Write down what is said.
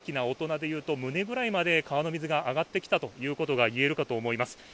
人の高さでいいますと、大きな大人でいうと胸ぐらいまで川の水が上がってきたということが言えるかと思います。